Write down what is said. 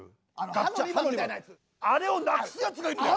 ガッチャンあれをなくすやつがいるんだよ。